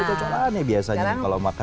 ini cocokan ya biasanya kalau makan